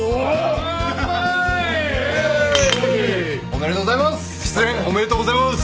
おめでとうございます！